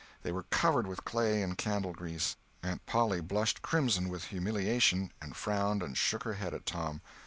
They were covered with clay and candle grease. Aunt Polly blushed crimson with humiliation, and frowned and shook her head at Tom.